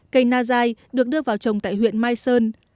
cây na dài được đưa vào trồng tại huyện mai sơn